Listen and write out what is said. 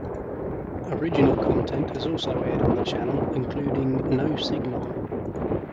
Original content has also aired on the channel, including No Signal!